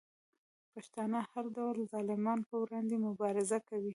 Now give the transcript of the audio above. پښتانه د هر ډول ظالمانو په وړاندې مبارزه کوي.